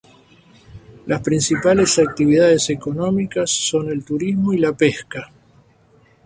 Las principales actividades económicas son el turismo y la pesca.